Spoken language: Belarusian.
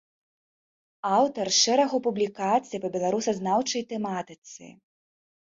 Аўтар шэрагу публікацый па беларусазнаўчай тэматыцы.